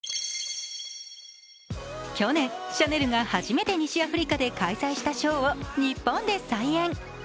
去年、シャネルが初めて西アフリカで開催したショーを日本で再演。